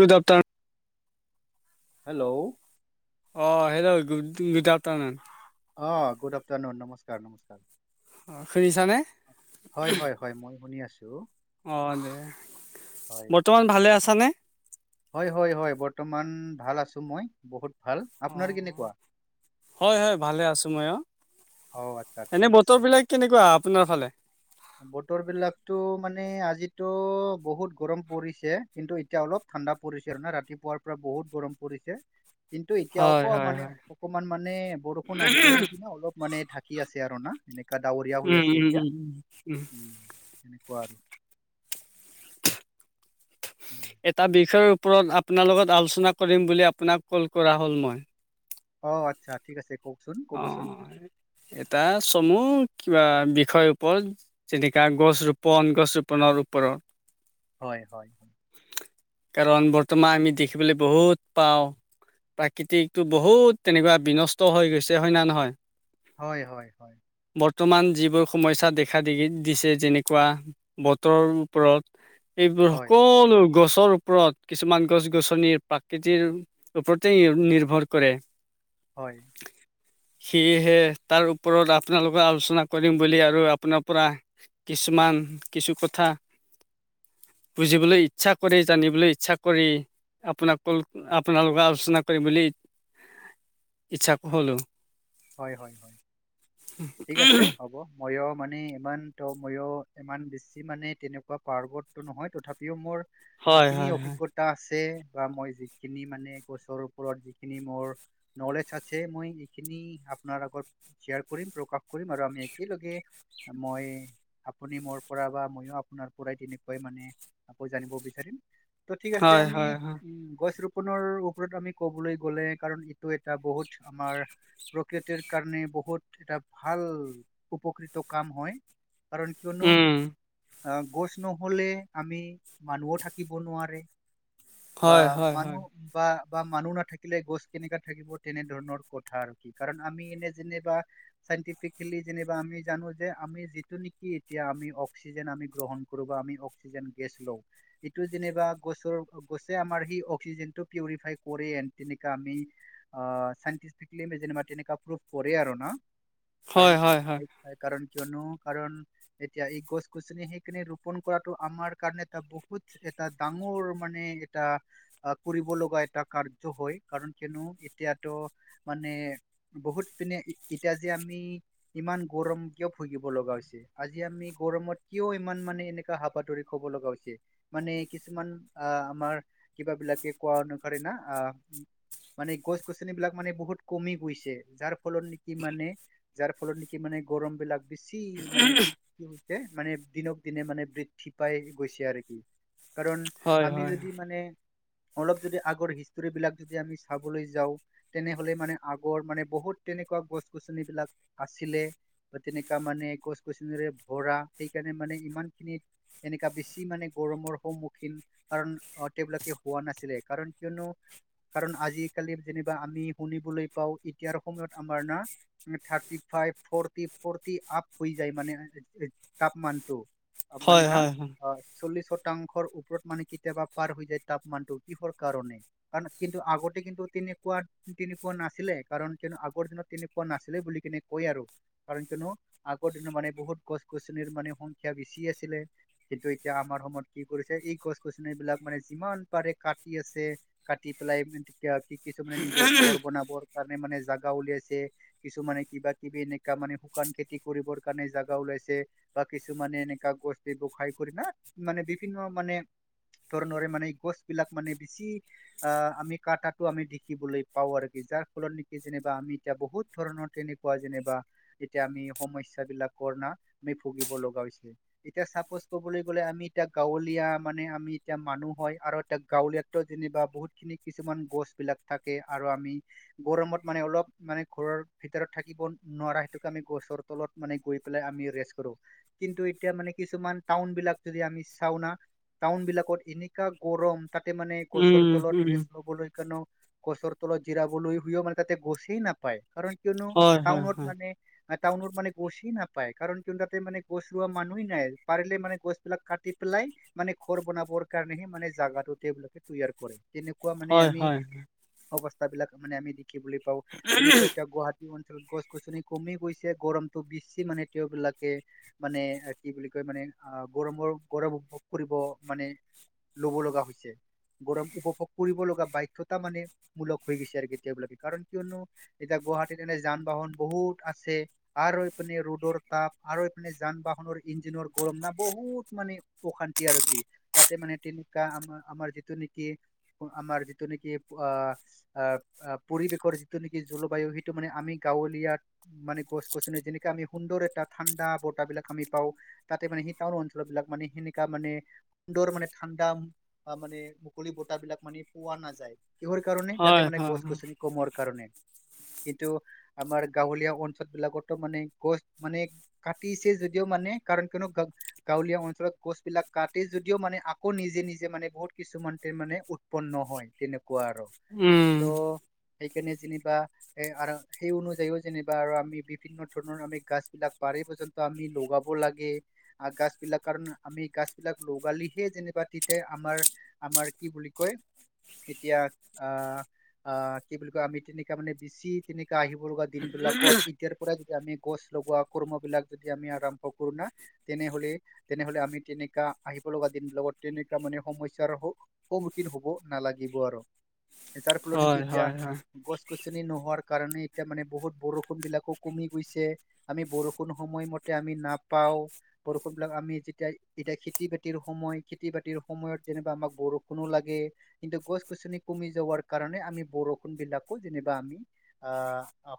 দু দপ্তাৰ হেল্ল' অ হেল্ল' গুড অ গুড আফ্টাৰনুন নমস্কাৰ নমস্কাৰ অ শুনিছানে হয় হয় হয় মই শুনি আছো। অ দে বৰ্তমান ভালে আছা নে? হয় হয় হয় বৰ্তমান ভাল আছো মই বহুত ভাল! অ আপোনাৰ কেনেকুৱা? হয় হয় ভালে আছো মইও। অ' আচ্ছা এনে ঠিক আছে বতৰ বিলাক কেনেকুৱা? আপোনাৰ ফালে! বতৰ বিলাকতো মানে আজিতো বহুত গৰম পৰিছে কিন্তু এতিয়া অলপ ঠাণ্ডা পৰিছে আৰু নে ৰাতিপুৱাৰ পৰা বহুত গৰম পৰিছে। কিন্তু এতিয়া হয় আক হয় মানে হয় অকমান মানে বৰষুণ আহিব নে কি না অলপ মানে থাকে কি আছে আৰু না এনেকুৱা ডাৱৰীয়া হৈ উম আছে উম এতিয়া, উম উম। কাৰ এটা বিষয়ৰ ওপৰত আপোনাৰ লগত আলোচনা কৰিম বুলি আপোনাক কল কৰা হ'ল মই। অ আচ্ছা ঠিক আছে কওক। অ এটা চমু বা বিষয়ৰ ওপৰত যেনেকা গছ ৰোপন গছ ৰোপনৰৰ ওপৰত। হয় হয়। কাৰণ বৰ্তমান আমি দেখিবলৈ বহুত পাওঁ প্ৰাকৃতিকতটো বহুত তেনেকুৱা বিনষ্ট হৈ গৈছে হয় না নহয়? হয় হয় হয়। বৰ্তমান যিবোৰ সমস্যা দেখা দি দিছে যেনেকুৱা বতৰৰ ওপৰত এইবোৰ হয়, সকলো গছ গছৰ ওপৰত কিছুমান গছ গছনিৰ প্ৰাকৃতিৰ ওপৰতেই নিৰ্ভৰ কৰে। হয়, সেয়েহে তাৰ ওপৰত আপোনালোকৰ আলোচনা কৰিম বুলি আৰু আপোনাৰ পৰা কিছুমান কিছু কথা বুজিবলৈ ইচ্ছা কৰি জানিবলৈ ইচ্ছা কৰি আপোনাক আপোনালোকে আলোচনা কৰিম বুলি ইচ্ছা হল। হয় হয় হয় ঠিক আছে হ'ব। ময়ো মানে ইমান তো ময়ো ইমান বেছি মানে তেনেকুৱা পাৰ্বডটো নহয় তথাপিও মোৰ হয় যিখিনি হয় হয় অভিজ্ঞতা আছে বা মই যিখিনি মানে গছৰ ওপৰত যিখিনি মোৰ নলেজ আছে মই এইখিনি আপোনাৰ আগত শ্বেয়াৰ কৰিম প্ৰকাশ কৰিম আৰু আমি একেলগে মই আপুনি মোৰ পৰা বা মইও আপোনাৰ পৰাই তেনেকুৱাই মানে আকৌ জানিব বিচাৰিম। ত' ঠিক আছে হয় আমি হয় হয় উম গছ ৰুপ পোনৰ ওপৰত আমি ক'বলৈ গ'লে কাৰণ এইটো এটা বহুত আমাৰ প্ৰকৃতিৰ কাৰণে বহুত এটা ভাল উপকৃত কাম হয়। কাৰণ কিয়নো উম আহ গছ নহলে আমি মানুহও থাকিব নোৱাৰে বা হয় হয় হয় মানুহ বা বা মানুহ নাথাকিলে গছ কেনেকা থাকিব তেনে ধৰণৰ কথা আৰু। আমি এনে যে চিকি যে আমি জানো যে আমি যিটো নেকি এতিয়া আমি অক্সিজেন আমি গ্ৰহণ কৰোঁ বা আমি অক্সিজেন গেছ লওঁ, এইটো যেনিবা গছৰ গছে আমাৰ সেই অক্সিজেনটো পিউৰিফাই কৰে জেনকা আমি আ চাইন্তিফিকেলী যো তেনেুৱা প্ৰুভ কৰে আৰু ন হয় কাৰণ হয় হয় কাৰণ কিয়নো কাৰণ এতিয়া এই গছ গছনি সেইখিনি ৰোপন কৰাটো আমাৰ কাৰণে এ তটা বহুত এটা ডাঙৰ মানে এটা কৰিব লগা এটা কাৰ্য্য হয় কাৰণ কিয়নো এতিয়া তটো মানে বহুত পিনে ইতিয়া যে আমি ইমান গৌৰম কিয় ভুগিব লগা হৈছে আজি আমি গৰমত কিয় ইমান মানে এনে হাপাধৰি কব লগা হৈছে মানে কিছুমান আ আমাৰ কিবা বিলাকে কোৱা অনুকনা অ মানে গছ গছনিবলাক মানে বহুত কমি গৈছে যাৰ ফলত নেকি মানে যাৰ ফলত নেকি মানে গৰম বিলাক বেছি মানে কি কি হৈছে মানে দিনক দিনে মানে বৃদ্ধি পাই গৈছে আৰু কি। কাৰণ হয় আমি হয় যদি মানে অলপ যদি আগৰ হিষ্টৰী বিলাক যদি আমি চাবলৈ যাওঁ তেনেহলে মানে [unintelligible] আগৰ মানে বহুত তেনেকুৱা গছ গছনি বিলাক আছিলে বা তেনেকা মানে গছ গছনিৰে ভৰা সেইকাৰণে মানে ইমান খিনি এনেকা বেছি মানে গৰমৰ সন্মুখীন কাৰণ আহ তেওঁবিলাকে হোৱা নাছিলে কাৰণ কিয়নো কাৰণ আজিকালি যেনিবা আমি শুনিবলৈ এতিয়াৰ সময়ত আমাৰ না thirty five forty forty up হৈ যায় মানে তাপমানটো মানে হয় ন হয় হয় চল্লিশ শতাংশৰ ওপৰত মানে কেতিয়াবা পাৰ হৈ যায় তাপমানটো কিহৰ কাৰণে কাৰ কিন্তু আগতে কিন্তু তেনেকুৱা তেনেকুৱা না আছিলে কাৰণ কিয়নো আগৰ দিনত তেনেকুৱা নাছিলে বুলি কেনে কয় আৰু কাৰণ কিয়নো আগৰ দিনত মানে বহুত গছ গছনিৰ মানে সংখ্যা বেছি আছিলে কিন্তু এতিয়া আমাৰ সময়ত কি কৰিছে এই গছ গছনি বিলাক মানে যিমান পাৰে কাটি আছে কাটি পেলাই তেতিয়া কি কিছু মানে নিজৰ ঘৰ বনাবৰ মানে জেগা উলাইছে কিছুানে কিবা কিবি এনেকা মানে শুকান খেতি কৰিবৰ কাৰণে জেগা উলাই বা কিছুমানে এনেকুৱা গছ ব্যৱসায় কৰে ন মানে বিভিন্ন মানে ধৰেণৰে মানে গছ বিলাক মানে বেছি আহ আমি কাটাটো আমি দেখিবলৈ পাওঁ আৰু কি যাক নেকি যেনিবা আমি এতিয়া বহুত ধৰণৰ তেনেকুৱা যেনিবা এতিয়া আমি সমস্যা বিলাক কৰ না আমি ভুগিব লগা হৈছিল এতিয়া চাপজ কবলৈ গলে আমি এতিয়া গাঁৱলীয়া মানে আমি এতিয়া ম মানুহ হয় আৰু এ গাঁৱলীয়ো যেনিবা বহুত খিনি কিছুমান গছ বিলাক থাকে আৰু আমি গৰমত মানে অলপ মানে ঘৰৰ ভিতৰত থাকিব নোৱাৰা সেইটোকে আমি গছৰ তলত মানে গৈ পেলাই আমি কিন্তু এতিয়া মানে কিছুমান টাউন বিলাক যদি আমি চাও ন টাউন বিলাকত এনেকা গৰম তাতে মানে গছৰ উম তলত উম ৰেচ ল'বলৈ কানো গছৰ তলত জিৰাবলৈ ঘৰিও মানে তাতে গছেই নাপায় কাৰণ কিয়নো হয় হয় টাউনত হয় মানে টাউনত মানে গছে নাপায় কাৰণ ক তাতে মানে গছ ৰোৱা মানুহ নাই পাৰিলে মানে গছ বিলাক কাটি [unintelligible] লাই মানে ঘৰ বনাবৰ কাৰণেহে মানে জাগা টো তেওঁবিলাকে তৈয়াৰ কৰে তেনেকুৱা মানে হয় আমি হয় অৱস্থা বিলাক মানে আমি দেখিবলৈ পাওঁ যেনেকৈ এতিয়া গুৱাহাটী অঞ্চলত গছ গছনি কমি গৈছে গৰমটো বেছি মানে তেওঁবিলাকে মানে কি বুলি কয় [unintelligible] মানে গৰমৰ গৰম উপভোগ কৰিব মানে লব লগা হৈছে গৰম উপভোগ কৰিব লগা বাধ্যতা মানে মূলক হৈ গৈছে আৰু কি এবিলাক কাৰণ কিয়নো এতিয়া গুৱাহাটীত এনে যান বাহন বহুত আছে আৰু ইপিনে ৰ'দৰ ত আৰু এইপিনে যান বাহনৰ ইঞ্জিনৰ গৰম না বহুত মানে অশান্তি আৰু কি তাতে মানে তেনেকা আমাৰ আমাৰ যিটো নেকি আমাৰ যিটো নেকি অ অ পৰিৱেশৰ যিটো নেকি জলবায়ু সেইটো মানে আমি গাঁৱলীয়াাত মানে গছ গছনি যেনেকে আমি সুন্দৰ এটা ঠাণ্ডা বতা বিলাক আমি পাওঁ তাতে মানে স টান অলপ মানে সেনেকা মানে মানে ঠাণ্ডা বা মানে মুকলি বতাবিলাক মানে পোৱা নাযায় কিহৰ কাৰণে তাতে হয় মানে হয় গছ হয়। গছনি কমোৱাৰ কাৰণে কিন্তু আমাৰ গাঁৱলীয়া অঞ্চল বিলাকতো মানে গছ মানে কাটিছে যদি মানে কাৰণ কিয়নো গাঁৱলীয়া অঞ্চলত গছ বিলাক কাটে যদিও মানে আকৌ নিজে নিজে মানে বহুত কিছুমানতে মানে উৎপন্ন হয় তেনেকুৱা আৰু উম চ' সেইকাৰণে যেনিবা এ সেই অনুযায়ীও যেনিবা আৰু আমি বিভিন্ন ধৰণৰ আমি গাছ বিলাক পন্ত আমি লগাব লাগে গাছ বিলাক কাৰ আমি গাছ বিলাক লগালিহে যেনিবা ৰাতিতে আমাৰ আমাৰ কি বুলি কয় এতিয়া আহ অ কি বুলি কয় আমি তেনেকা মানে বেছি তেনেকা আহিব লগা দিন বিলাকত এতিয়াৰ পৰাই আমি গছ লগোৱা কৰ্ম বিলাক যদি আমি আৰম্ভ কৰো না তেনেহলে তেনেহলে আমি তেনেকা আহিব লগা দিনবিলাকত তেনেকুৱা মানে সমস্যাৰ সন্মুখীন হ'ব নালাগিব আৰু যাৰ ফলত নেকি হয় এতিয়া হয় হয় গছ নোহোৱাৰ কাৰণে এতিয়া মানে বহুত বৰষুণ বিলাকো কমি গৈছে আমি বৰষুণ সময়মতে তে আমি নাপাও বৰষুণ বিলাক আমি যেতিয়া এতিয়া খেতি বাতিৰ সময় খেতি বাতিৰ সময়ত যেনিবা আমাক বৰষুণো লাগে কিন্তু গছ গছনি কমি যোৱাৰ কাৰণে আমি বৰষুণ বিলাকো যেনিবা আমি অ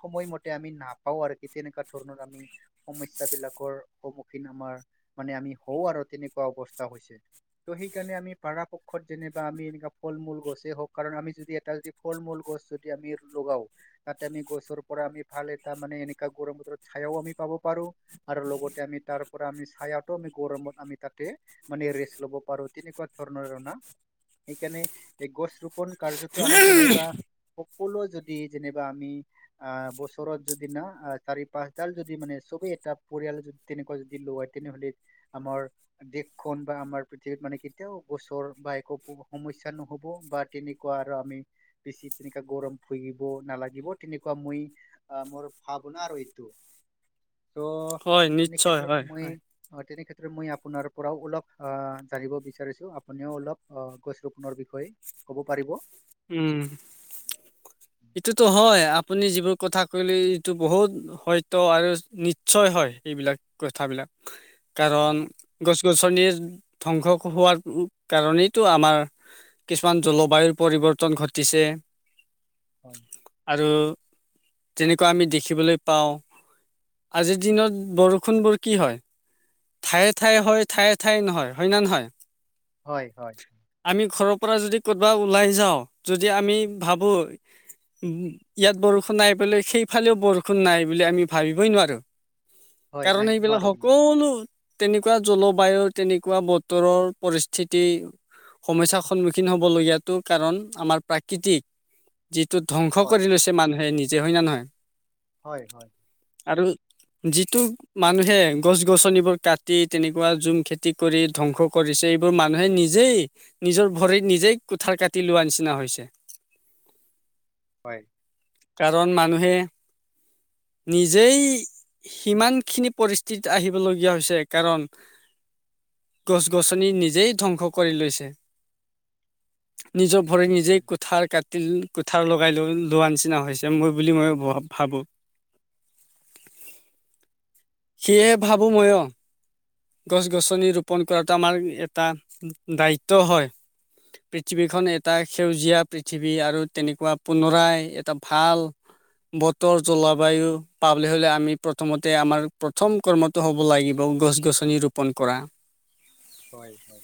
সময়মতে আমি নাপাও আৰুি তেনেকুৱা ধৰণৰ আমি সমস্যা বিলাকৰ সন্মুখীন আমাৰ মানে আমি হওঁ আৰু তেনেকুৱা অৱস্থা হৈছে। ত' সেইকাৰণে আমি পাৰ পক্ষত যেনো আমি এনেুৱা ফল মূল গছে হওঁক কাৰণ আমি যদি এটা যদি ফল মূল গছ যদি আমি লগাও তাতে আমি গছৰ পৰা আমি ভাল এটা মানে এনেকা গৰম বতৰত পাব পাৰো আৰু লগতে আমি তাৰ পৰা আমি তাতে আমি লব পাৰো তেনেকুৱা ধৰণৰ সেইকাৰে গ পুন কাৰ্যতো আমি যেনেকুৱা সকলো যদি যেনিবা আমি আহ বছৰত যদি না চাৰি পাঁচডাল যদি মানে চবে এটা পৰিয়ালে যদি তেনেকুৱা যদি লয় তেনেহলে আমাৰ দেশখন বা আমাৰ পৃথিৱীত মানে কি এতিয়াও গছৰ বা একো সমস্যা নহ'ব বা তেনেকুৱা আৰু আমি বেছি তেনে কা গৰম ফুৰিব নালাগিব তেনেকুৱা মই আহ মোৰ ভাৱনা আৰু এইটো [unintelligible] চ' হয় তেনে নিশ্চয় হয় কেত্ৰত মই হয় অ তেনে কেত্ৰত মই আপোনাৰ পৰাও অলপ অ জানিব বিচাৰিছো আপুনিও অলপ অ গছ ৰুপনৰ বিষয়ে ক'ব পাৰিব উম এইটোতো হয় আ আপুনি যিবোৰ কথা কলে এইটো বহুত সত্য আৰু নিশ্চয় হয় এইবিলাক কথাবিলাক কাৰণ হয় গছ গছনিৰ ধ্বংস হোৱাৰ কাৰণেইটো আমাৰ কিছুমান জলবায়ুৰ পৰিৱৰ্ত টন ঘটিছে হয় আৰু তেনেকুৱা আমি দেখিবলৈ পাওঁ আজিৰ দিনত বৰষুণবোৰ কি হয়। ঠায়ে ঠায়ে হয় ঠায়ে ঠায়ে নহয় হয় ন নহয় হয় হয়। আমি ঘৰৰ পৰা যদি কৰ'বা ওলাই যাওঁ যদি আমি ভাবো ইয়াত বৰষুণ আহাই পেলাই সেইফালেও বৰষুণ নাই বুলি আমি ভাবিবই নোৱাৰো। হয় কাৰণ নাই এইেইবিলাক নোৱাৰো নোৱাৰো সকলো তেনেকুৱা জলবায়ু তেনেকুৱা বতৰৰ পৰিস্থিতি সমস্যাৰ সন্মুখীন হব লগীয়াতো কাৰণ আমাৰ প্ৰাকৃতিক যিটো ধ্বংস হয় কৰি লৈছে মানুহে নিজে হয় না নহয়? হয় হয় আৰু যিটো মানুহে গছ গছনিবোৰ কাটি তেনেকুৱা জুম খেতি কৰি ধ্বংস কৰিছে। এইবোৰ মানুহে নিজেই নিজৰ ভৰিত নিজেই কুঠাৰ কাটি লোৱা নিছ- না হৈছে। হয় কাৰণ মানুহে নিজেই সিমান খিনি পৰিস্থিতিত আহিবলগীয়া হৈছে কাৰণ গছ গছনি নিজেই ধ্বংস কৰি লৈছে নিজৰ ভৰি নিজে হয় কুঠাৰ কাটি তিল কোঠা লগাই লৈ লোৱা নিচিনা হৈছে মই বুলি মই ভাবোঁ। সেয়েহে ভাবোঁ ময় গছ গছনি ৰোপন কৰাটো আমাৰ এটা দায়িত্ব হয়। পৃথিৱীখন এ- এটা সেউজীয়া পৃথিৱী আৰু তেনেকুৱা পুনৰাই এটা ভাল বতৰ জলবায়ু পাবলৈ হলে আমি প্ৰথমতে আমাৰ প্ৰথম কৰ্মটো হ'ব লাগিব গছ গছনি ৰোপন কৰা। হয় হয়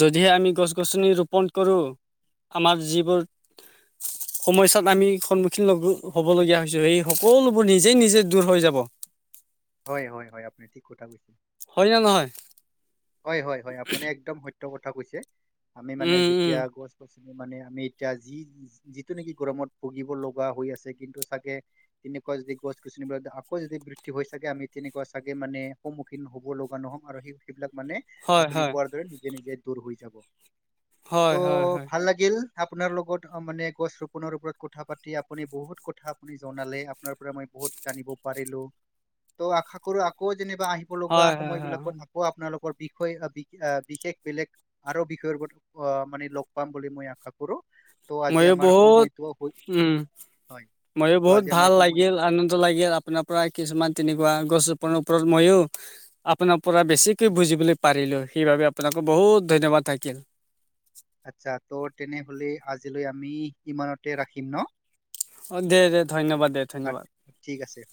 যদিহে আমি গছ গছনি ৰোপন কৰো। আমাৰ যিবোৰ সময়য়োৱাত আমি সন্মুখীন লো হবলগীয়া হৈছে সেই সকলোবোৰ নিজে নিজে দূৰ হৈ যাব। [inaudible] হয় হয় হয় আপুনি ঠিক কথা কৈছে। হয়নে নহয় হয় হয় হয় আপুনি একদম সত্য কথা কৈছে আমি মানে উম উম যেতিয়া গছ গছ- মানে আমি এতিয়া যি যিটো নেকি গৰমত ভুগিব লগা হৈ আছে কিন্তু চাগে- তেনেকুৱা যদি গছ গছনিবিলাক আকৌ যদি বৃদ্ধি হৈ চাগে আমি তেনেকুৱা চাগে মানে সন্মুখীন হ'ব লগা নহ'ম আৰ সেবিলাক মানে হয় আপুনি হয় কোৱাৰ দৰে নিজে নিজে দূৰ হৈ যাব হয় হয় হয় ত' ভাল লাগিল। আপোনাৰ লগত অ মানে গছ ৰোপনৰ ওপৰত কথা পাতি আপুনি বহুত কথা আপুনি জনালে আপোনাৰ পৰা মই বহুত জানিব পাৰিলো ত আশা কৰো আকৌ যেনিবা আহিব লগা হয় হয় সময় হয় বিলাকত আকৌ আপোনালোক বিষয় বিশেষ বেলেগ আৰু বিষয়ৰ ওপ আহ মানে লগ পাম বুলি মই আশা কৰোঁ। ত' আজি ময়ো আমাৰ বহুত সময়তটো উম হল। ময়ো বহুত ভাল লাগিল আনন্দ লাগিল আপোনাৰ পৰা কিছুমান তেনেকুৱা গছ আপোনাৰ ওপৰত মইও আপোনাৰ পৰা বেছিকে বুজিবলৈ পাৰিলো সেইবাবে আপোনাকো বহুত ধন্যবাদ। অ থাকিল। আত্চ্ছা ত' তেনেহলে আজিলৈ আমি ইমানতে ৰাখিম ন। অ দে দে ধন্যবাদ দে আ- ধন্যবাদ। ঠিক আছে।